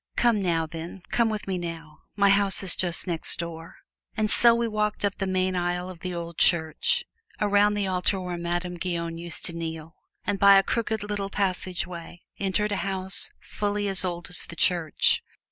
"Come now, then come with me now. My house is just next door!" And so we walked up the main aisle of the old church, around the altar where Madame Guyon used to kneel, and by a crooked, little passageway entered a house fully as old as the church.